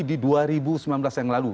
di dua ribu sembilan belas yang lalu